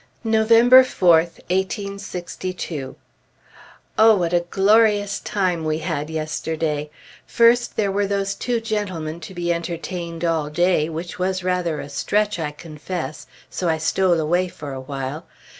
November 4th, 1862. O what a glorious time we had yesterday! First, there were those two gentlemen to be entertained all day, which was rather a stretch, I confess, so I stole away for a while.